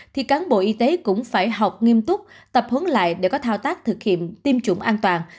thì cán bộ y tế cũng phải học nghiêm túc tập huấn lại để có thao tác thực hiện tiêm chủng an toàn